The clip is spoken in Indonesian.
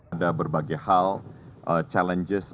ada berbagai hal challenges